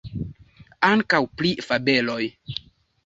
Ankaŭ pri fabeloj?